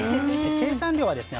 生産量はですね